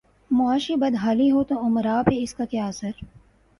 معاشی بدحالی ہو توامراء پہ اس کا کیا اثر؟